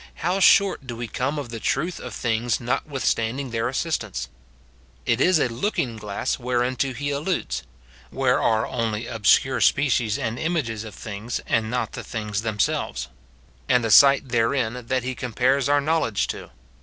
how short do we come of the truth of things notwithstanding their assistance ! It is a looking glass whereunto he alludes (where are only obscure species and images of things, and not the things themselves), and a sight there in, that he compares our knowledge to.